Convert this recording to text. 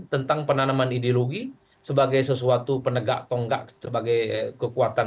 tentang penanaman ideologi sebagai sesuatu penegak tonggak sebagai kekuatan